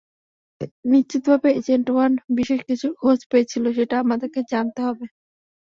নিশ্চিতভাবেই agent one বিশেষ কিছুর খোঁজ পেয়েছিল, সেটা আমাদেরকে জানতে হবে।